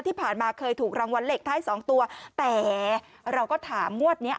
ที่ผ่านมาเคยถูกรางวัลเหล็กท้ายสองตัวแต่เราก็ถามงวดเนี้ย